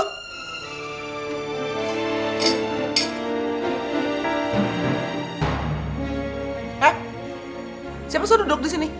eh siapa sudah duduk disini